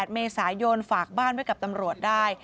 ๘เมษายนฝากบ้านไว้กับตำรวจได้